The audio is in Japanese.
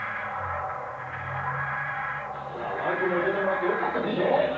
ほら、ワイプも入れてもらって、良かったでしょ